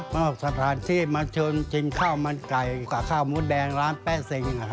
ออกสถานที่มาชวนกินข้าวมันไก่กับข้าวมดแดงร้านแป๊เซ็ง